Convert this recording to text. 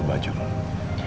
presen kayak gini